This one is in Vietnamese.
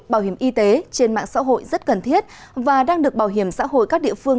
bảo hiểm y tế trên mạng xã hội rất cần thiết và đang được bảo hiểm xã hội các địa phương